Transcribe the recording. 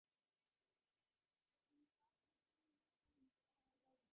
ސިކުނޑިޔަށް އުނިކަން ލިބުމަކީވެސް ނުވަތަ ބުއްދިހަމަނުޖެހުމަކީވެސް މިގޮތުން ވާރުތަވާކަމެއް